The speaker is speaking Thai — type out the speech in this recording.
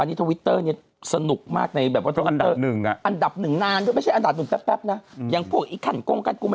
วันนี้ทวิตเตอร์นี่สนุกมากในแบบว่าอันดับหนึ่งน่ะ